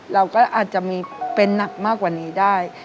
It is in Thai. เราก็อาจจะมีเป็นหนักมากกว่านี้ได้